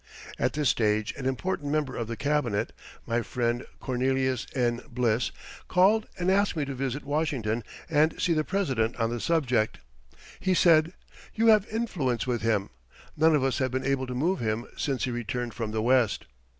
At this stage an important member of the Cabinet, my friend Cornelius N. Bliss, called and asked me to visit Washington and see the President on the subject. He said: "You have influence with him. None of us have been able to move him since he returned from the West."